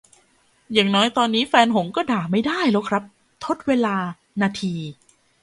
อย่างน้อยตอนนี้แฟนหงส์ก็ด่าไม่ได้แล้วครับ ทดเวลา นาที